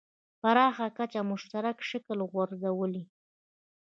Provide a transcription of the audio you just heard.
پراخه کچه مشترک شکل غورځولی.